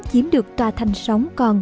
chiếm được tòa thành sống còn